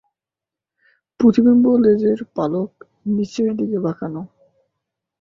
প্রলম্বিত লেজের পালক নিচের দিকে বাঁকানো।